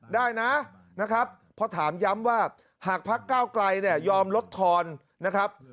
ได้นะนะครับเพราะถามย้ำว่าหากพักก้าวไกลเนี่ยยอมลดทอนนะครับ